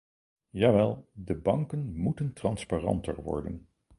Jawel, de banken moeten transparanter worden.